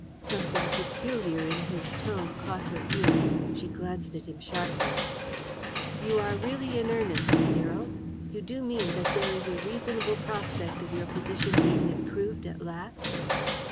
Something peculiar in his tone caught her ear. She glanced at him sharply. "You are really in earnest, Cyril? You do mean that there is a reasonable prospect of your position being improved at last?"